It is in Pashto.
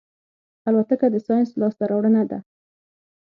الوتکه د ساینس لاسته راوړنه ده.